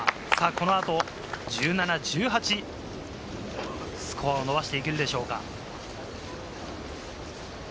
この後、１７、１８、スコアを伸ばしていけるでしょうか。